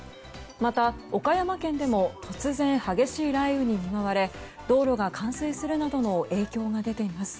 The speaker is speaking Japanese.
また、岡山県でも突然激しい雷雨に見舞われ道路が冠水するなどの影響が出ています。